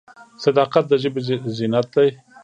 صداقت د ژبې زینت دی.